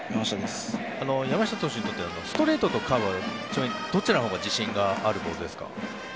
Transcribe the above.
山下投手にとってストレートとカーブはどちらのほうが自信があるほうですか？